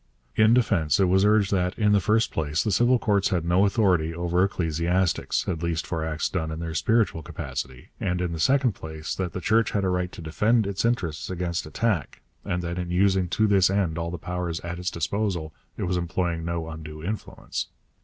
In defence it was urged that, in the first place, the civil courts had no authority over ecclesiastics, at least for acts done in their spiritual capacity, and, in the second place, that the Church had a right to defend its interests against attack, and that in using to this end all the powers at its disposal it was employing no undue influence.